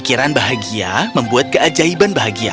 karena mereka mengimpin kami boston white